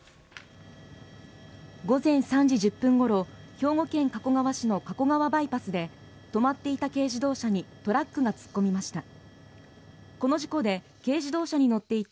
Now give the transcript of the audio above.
午前３時１０分ごろ兵庫県加古川市の加古川バイパスで止まっていた軽自動車にトラックが突っ込みました。